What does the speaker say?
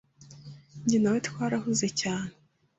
Jye nawe twarahuze cyane.